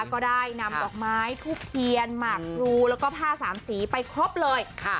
ก็ได้นำปลอกไม้ทุกเทียนหมัดรูแล้วก็ผ้าสามสีไปครบเลยค่ะ